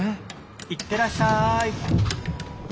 いってらっしゃい！